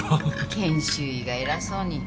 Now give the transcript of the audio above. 研修医が偉そうに。